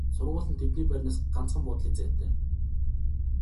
Сургууль нь тэдний байрнаас ганцхан буудлын зайтай.